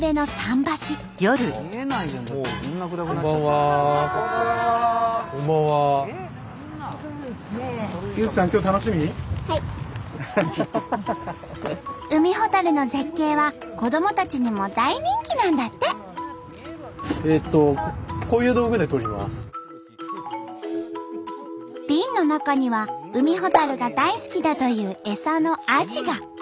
瓶の中にはウミホタルが大好きだというエサのアジが。